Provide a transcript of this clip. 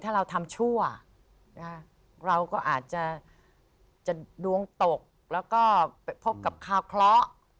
ถ้าเราทำชั่วเราก็อาจจะดวงตกแล้วก็ไปพบกับคาวเคราะห์